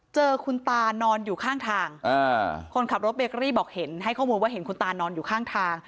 เจอคุณตานอนอยู่ข้างทางคนขับรถเบเกอรี่บอกเห็นให้ข้อมูลว่าเห็นคุณตานอนอยู่ข้างทาง